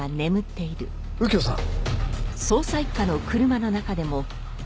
右京さん！